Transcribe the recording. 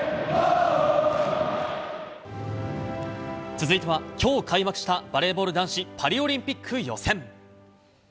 続いてはきょう開幕した、バレーボール男子パリオリンピック予選。